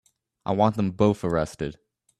I want them both arrested.